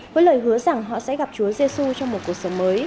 với lời hứa rằng họ sẽ gặp chúa giê xu trong một cuộc sống mới